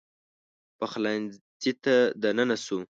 پخلنځي ته دننه سو